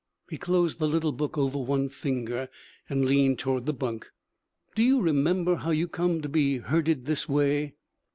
He closed the little book over one finger, and leaned toward the bunk. 'Do you remember how you come to be hurted this way?'